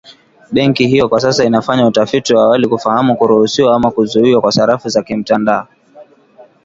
Benki hiyo kwa sasa inafanya utafiti wa awali kufahamu kuruhusiwa ama kuzuiwa kwa sarafu za kimtandao.